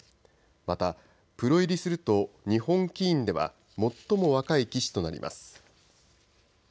また、プロ入りすると日本棋院では最も若い棋士となります。